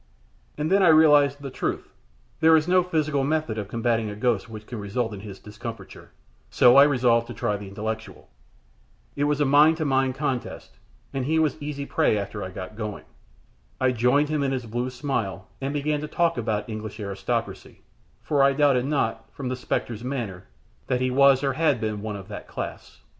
And then I realized the truth. There is no physical method of combating a ghost which can result in his discomfiture, so I resolved to try the intellectual. It was a mind to mind contest, and he was easy prey after I got going. I joined him in his blue smile, and began to talk about the English aristocracy; for I doubted not, from the spectre's manner, that he was or had been one of that class.